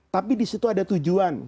tapi disitu ada tujuan